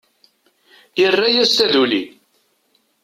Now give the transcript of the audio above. Irra-yas taduli.